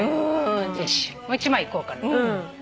もう一枚いこうかな。